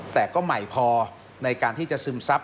แต่ก็ใหม่พอในการที่จะซึมซับ